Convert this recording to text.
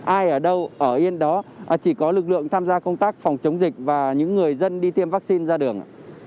ai ở đâu ở yên đó chỉ có lực lượng tham gia công tác phòng chống dịch và những người dân đi tiêm vaccine ra đường ạ